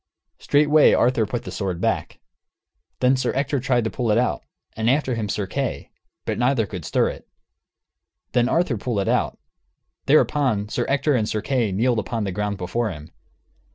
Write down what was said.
Straightway Arthur put the sword back. Then Sir Ector tried to pull it out, and after him Sir Kay; but neither could stir it. Then Arthur pulled it out. Thereupon, Sir Ector and Sir Kay kneeled upon the ground before him.